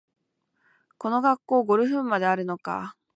この学校、ゴルフ部まであるのかあ